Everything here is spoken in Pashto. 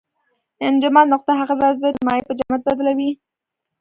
انجماد نقطه هغه درجه ده چې مایع په جامد بدلوي.